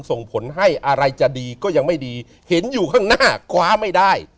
ส่งผลให้อะไรจะดีก็ยังไม่ดีเห็นอยู่ข้างหน้าคว้าไม่ได้